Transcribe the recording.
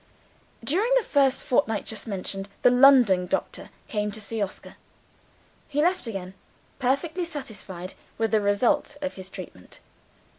During the first fortnight just mentioned, the London doctor came to see Oscar. He left again, perfectly satisfied with the results of his treatment.